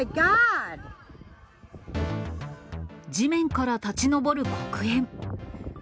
地面から立ち上る黒煙。